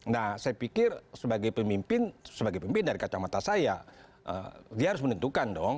nah saya pikir sebagai pemimpin sebagai pemimpin dari kacamata saya dia harus menentukan dong